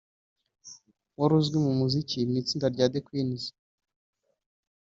wari uzwi mu muziki mu itsinda rya The Queens